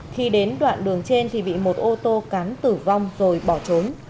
khi đến đoạn đường trên thì bị một ô tô cán tử vong rồi bỏ trốn